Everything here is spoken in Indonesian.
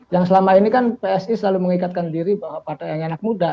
yang selama ini kan psi selalu mengikatkan diri bahwa partai hanya anak muda